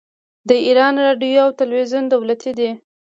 د ایران راډیو او تلویزیون دولتي دي.